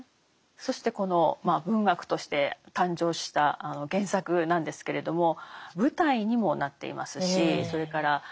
そしてこの文学として誕生した原作なんですけれども舞台にもなっていますしそれからテレビドラマにもなっている。